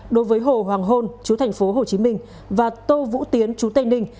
đối với hồ hoàng hôn chú thành phố hồ chí minh và tô vũ tiến chú tây ninh